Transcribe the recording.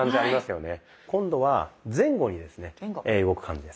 今度は前後にですね動く感じです。